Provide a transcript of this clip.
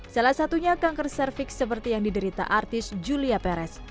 salah satunya kanker cervix seperti yang diderita artis julia perez